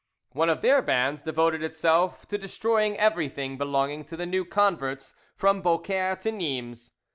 One of their bands devoted itself to destroying everything belonging to the new converts from Beaucaire to Nimes.